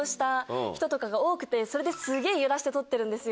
それですげぇ揺らして撮ってるんですよ。